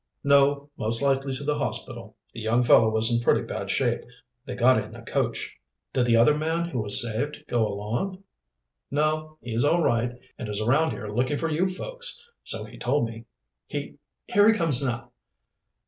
"No; most likely to the hospital. The young fellow was in pretty bad shape. They got in a coach." "Did the other man who was saved go along?" "No; he's all right, and is around here looking for you folks so he told me. He here he comes now."